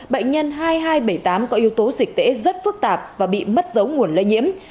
bệnh nhân hai nghìn hai trăm bảy mươi tám có yếu tố dịch tễ rất phức tạp và bị mất dấu nguồn lây nhiễm